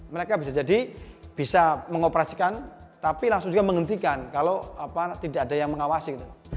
mereka bisa jadi bisa mengoperasikan tapi langsung juga menghentikan kalau tidak ada yang mengawasi